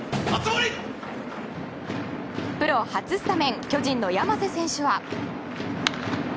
プロ初スタメン巨人、山瀬選手は。